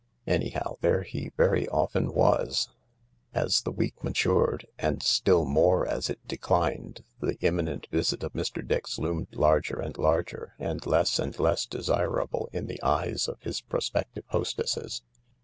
Anyhow, there he very often was. As the week matured, and still more as it declined, the imminent visit of Mr. Dix loomed larger and larger and less and less desirable in the eyes of his prospective hostesses.